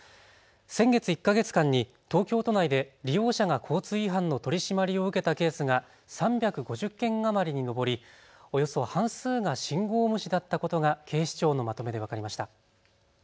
先月１か月間に東京都内で利用者が交通違反の取締りを受けたケースが３５０件余りに上り、およそ半数が信号無視だったことが警視庁のまとめで分かりました。